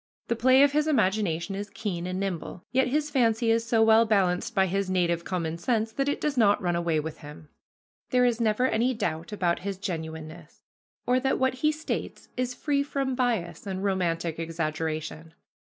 The play of his imagination is keen and nimble, yet his fancy is so well balanced by his native common sense that it does not run away with him. There is never any doubt about his genuineness, or that what he states is free from bias and romantic exaggeration.